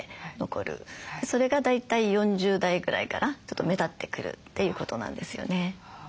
それが大体４０代ぐらいからちょっと目立ってくるということなんですよね。